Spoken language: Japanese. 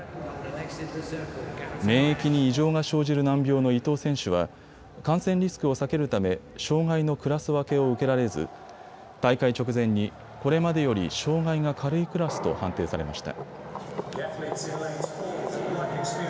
免疫に異常が生じる難病の伊藤選手は感染リスクを避けるため障害のクラス分けを受けられず、大会直前にこれまでより障害が軽いクラスと判定されました。